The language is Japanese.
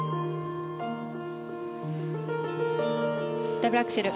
ダブルアクセル。